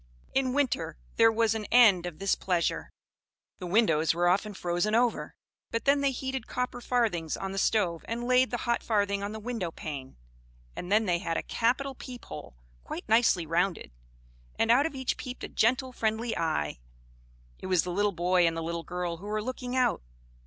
In winter there was an end of this pleasure. The windows were often frozen over; but then they heated copper farthings on the stove, and laid the hot farthing on the windowpane, and then they had a capital peep hole, quite nicely rounded; and out of each peeped a gentle friendly eye it was the little boy and the little girl who were looking out.